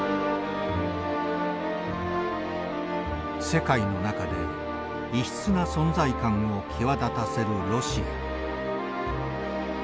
世界の中で異質な存在感を際立たせるロシア。